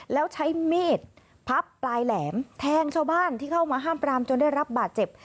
แล้วใช้มีดพับปลายแหลมแทงชาวบ้านที่เข้ามาห้ามปรามจนได้รับบาดเจ็บ